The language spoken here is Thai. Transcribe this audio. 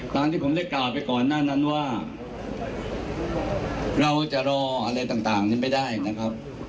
ตามที่ผมได้กล่าวไปก่อนหน้านั้นว่าเราจะรออะไรต่างนี้ไม่ได้นะครับ